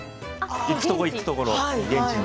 行くところ行くところ現地に。